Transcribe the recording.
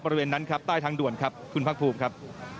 บริเวณนั้นครับใต้ทางด่วนครับคุณภาคภูมิครับ